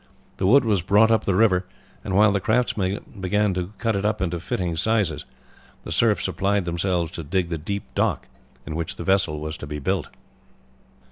The wood was brought up the river, and while the craftsmen began to cut it up into fitting sizes, the serfs applied themselves to dig the deep dock in which the vessel was to be built.